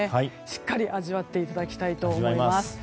しっかり味わっていただきたいと思います。